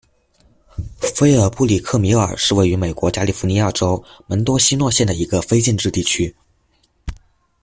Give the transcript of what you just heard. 菲尔布里克米尔是位于美国加利福尼亚州门多西诺县的一个非建制地区。